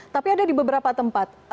tapi ada di beberapa tempat